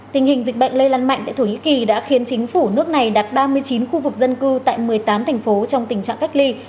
tình hình dịch bệnh lây lan mạnh tại thổ nhĩ kỳ đã khiến chính phủ nước này đặt ba mươi chín khu vực dân cư tại một mươi tám thành phố trong tình trạng cách ly